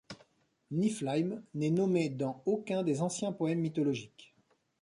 Niflheim n'est nommé dans aucun des anciens poèmes mythologiques.